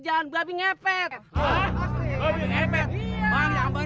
jangan pergi sama aku